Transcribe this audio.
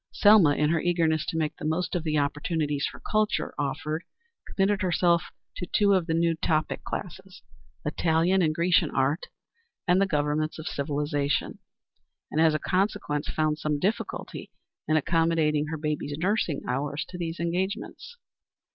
Selma, in her eagerness to make the most of the opportunities for culture offered, committed herself to two of the new topic classes "Italian and Grecian Art," and "The Governments of Civilization," and as a consequence found some difficulty in accommodating her baby's nursing hours to these engagements.